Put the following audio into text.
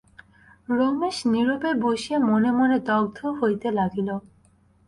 রমেশ নীরবে বসিয়া মনে মনে দগ্ধ হইতে লাগিল।